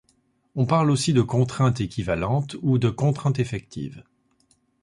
On parle aussi de contrainte équivalente ou de contrainte effective.